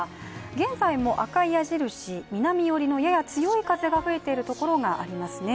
現在も赤い矢印、南寄りのやや強い風が吹いているところがありますね。